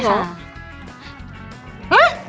ใช่ค่ะ